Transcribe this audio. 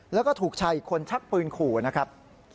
แล้วก็ถูกชายอีกคนชักปืนขู่นะครับ